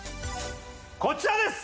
こちらです！